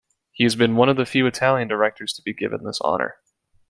He has been one of the few Italian directors to be given this honour.